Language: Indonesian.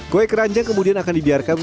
kue keranjang kemudian akan dibiarkan